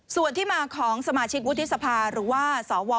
ส่วนที่มาของสมาชิกวุฒิสภาหรือว่าสว